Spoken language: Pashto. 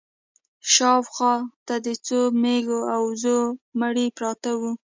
شا و خوا ته د څو مېږو او وزو مړي پراته وو.